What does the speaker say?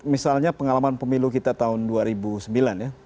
misalnya pengalaman pemilu kita tahun dua ribu sembilan ya